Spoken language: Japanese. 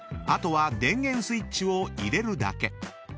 あとは電源スイッチを入れるだけ］